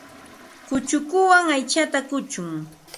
Kuchukuwan aychata kuchuy.